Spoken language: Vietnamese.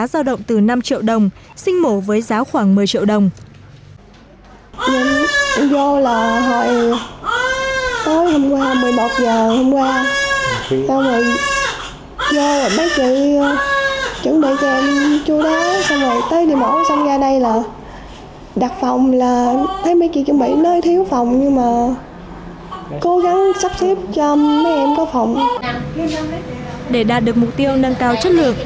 bệnh viện đạt được mục tiêu nâng cao chất lượng